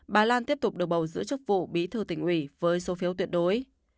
bà lan tiếp tục được bầu giữ chức vụ bí thư tỉnh ủy với số phiếu tuyệt đối